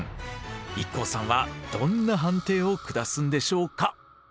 ＩＫＫＯさんはどんな判定を下すんでしょうか？